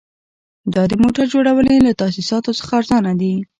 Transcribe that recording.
دا د موټر جوړونې له تاسیساتو څخه ارزانه دي